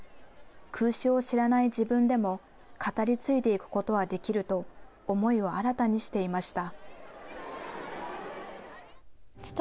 空襲を知らない自分でも語り継いでいくことはできると思いを新たにしていました。